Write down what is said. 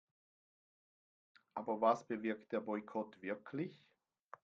Aber was bewirkt der Boykott wirklich?